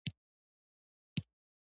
روژه د ګناهونو د مینځلو فرصت دی.